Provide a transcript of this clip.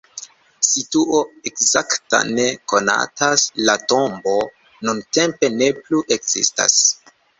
Situo ekzakta ne konatas, la tombo nuntempe ne plu ekzistas.